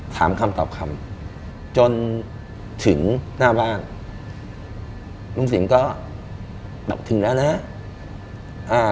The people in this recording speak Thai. ถามคำตอบคำจนถึงหน้าบ้านลุงสิ่งก็ดอกถึงแล้วนะ